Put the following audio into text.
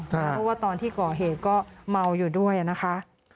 เพราะว่าตอนที่ก่อเหตุก็เมาอยู่ด้วยนะคะ